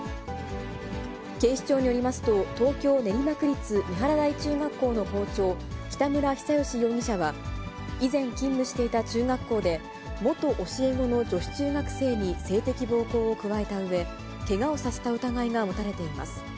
警視庁によりますと、東京・練馬区立三原台中学校の校長、北村比左嘉容疑者は、以前勤務していた中学校で、元教え子の女子中学生に性的暴行を加えたうえ、けがをさせた疑いが持たれています。